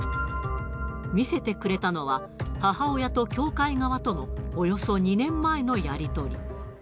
見せてくれたのは、母親と教会側とのおよそ２年前のやり取り。